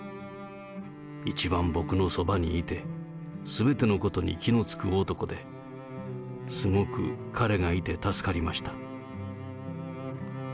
一番僕のそばにいて、すべてのことに気のつく男で、すごく彼がいて助かりました。